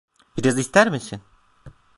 Biraz ister misin?